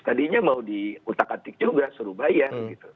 tadinya mau diutak atik juga seru bayar